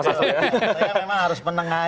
saya memang harus menengahi